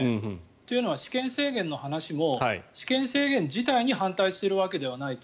というのは私権制限の話も私権制限自体に反対しているわけではないと。